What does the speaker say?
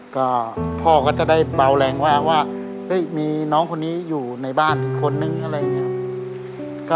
ก็พ่อก็จะได้เบาแรงว่ามีน้องคนนี้อยู่ในบ้านอีกคนนึงอะไรอย่างนี้